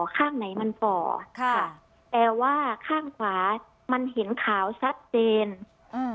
ข้างไหนมันฝ่อค่ะแต่ว่าข้างขวามันเห็นขาวชัดเจนอ่า